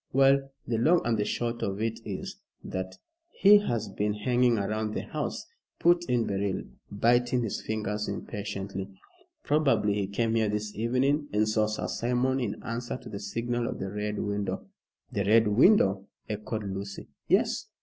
"Well, the long and the short of it is, that he has been hanging round the house," put in Beryl, biting his fingers impatiently. "Probably he came here this evening, and saw Sir Simon in answer to the signal of the Red Window." "The Red Window!" echoed Lucy. "Yes.